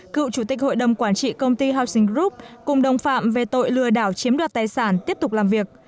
cựu chủ tịch hội đồng quản trị công ty housing group cùng đồng phạm về tội lừa đảo chiếm đoạt tài sản tiếp tục làm việc